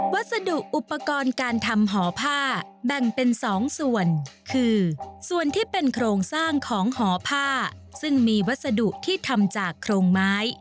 วัสดุอุปกรณ์การทำหอผ้าแบ่งเป็น๒ส่วนคือส่วนที่เป็นโครงสร้างของหอผ้าซึ่งมีวัสดุที่ทำจากโครงไม้